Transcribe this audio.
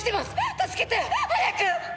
助けて！早く！